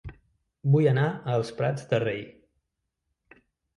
Vull anar a Els Prats de Rei